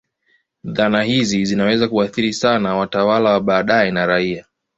Dhana hizi zinaweza kuathiri sana watawala wa baadaye na raia.